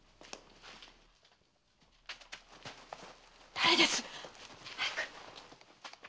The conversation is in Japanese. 誰ですっ？早く！